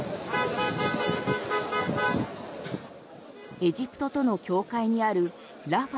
エジプトとの境界にあるラファ